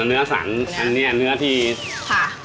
เนื้อสันอันนี้เนื้อที่ค่ะ